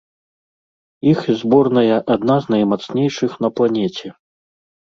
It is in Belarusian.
Іх зборная адна з наймацнейшых на планеце.